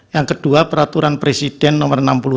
yang kedua peraturan presiden nomor